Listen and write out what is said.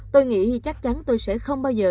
tôi nghĩ chắc chắn tôi sẽ không bao giờ